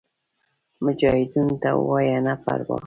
مجاهدینو ته ووایه نه پروا.